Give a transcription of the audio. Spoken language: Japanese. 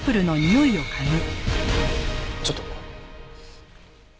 ちょっと。